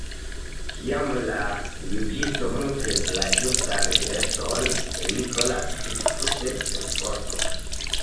Kiam la juĝisto montris la ĝustan direkton, li kolapsis tute sen forto.